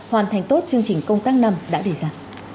hoàn thành tốt chương trình công tác năm đã đề ra